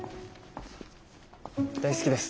大好きです。